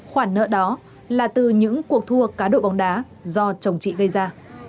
khoản nợ đó là từ những cuộc thua cá độ bóng đá do chồng chị gây ra